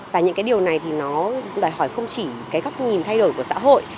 và những cái điều này thì nó đòi hỏi không chỉ cái góc nhìn thay đổi của xã hội